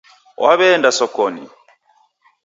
Waweenda sokonyi.